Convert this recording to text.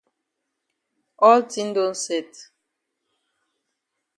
All tin don set.